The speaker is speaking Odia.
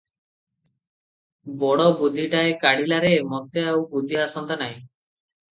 ବଡ଼ ବୁଦ୍ଧିଟାଏ କାଢ଼ିଲା ରେ! ମତେ ଆଉ ବୁଦ୍ଧି ଆସନ୍ତା ନାହିଁ ।